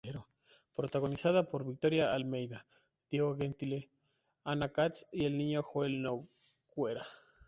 Protagonizada por Victoria Almeida, Diego Gentile, Ana Katz y el niño Joel Noguera.